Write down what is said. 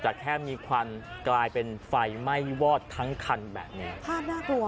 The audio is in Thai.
แต่แค่มีควันกลายเป็นไฟไหม้วอดทั้งคันแบบนี้ภาพน่ากลัว